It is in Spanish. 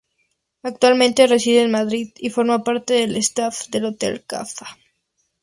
Actualmente reside en Madrid y forma parte del staff de Hotel Kafka.